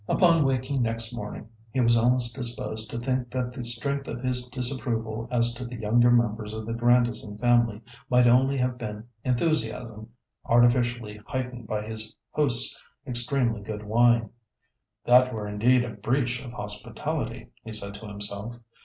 Upon awaking next morning, he was almost disposed to think that the strength of his disapproval as to the younger members of the Grandison family might only have been enthusiasm, artificially heightened by his host's extremely good wine. "That were indeed a breach of hospitality," he said to himself.